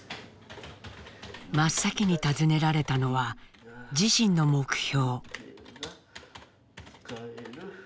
真っ先に尋ねられたのは自身の目標。